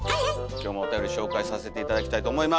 今日もおたより紹介させて頂きたいと思います。